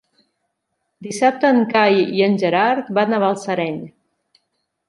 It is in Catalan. Dissabte en Cai i en Gerard van a Balsareny.